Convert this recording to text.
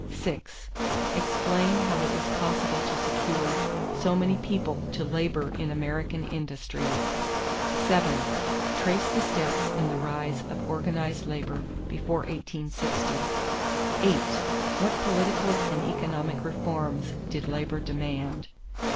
6. Explain how it was possible to secure so many people to labor in American industries. 7. Trace the steps in the rise of organized labor before 1860. 8. What political and economic reforms did labor demand?